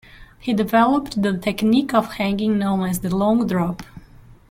He developed the technique of hanging known as the "long drop".